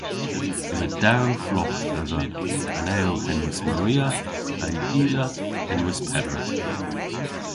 Yma dew flogh dhedha - an eyl henwys Maria ha'y gila henwys Peder.